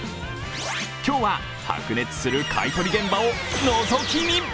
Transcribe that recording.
今日は白熱する買い取り現場をのぞき見。